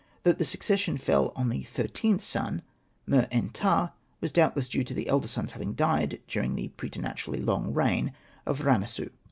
That the succession fell on the thirteenth son, Mer.en.ptah, was doubtless due to the elder sons having died during the preternaturally long reign of Ramessu.